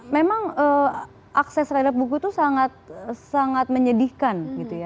memang akses reda buku itu sangat menyedihkan